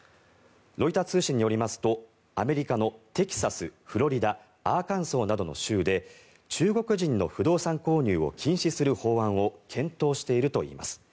ロイター通信によりますとアメリカのテキサス、フロリダアーカンソーなどの州で中国の不動産購入を禁止する法案を検討しているといいます。